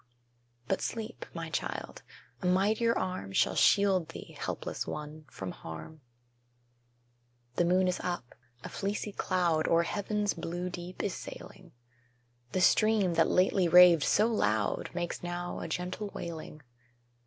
But sleep, my child; a mightier Arm Shall shield thee (helpless one!) from harm. The moon is up; a fleecy cloud O'er heaven's blue deep is sailing; The stream, that lately raved so loud, Makes now a gentle wailing.